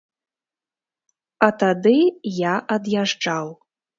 А тады я ад'язджаў.